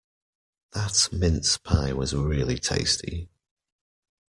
That mince pie was really tasty.